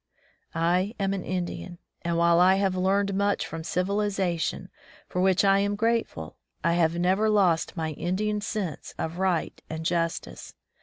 I am an Indian ; and while I have learned much from civilization, for which I am grateful, I have never lost my Indian sense of right and justice.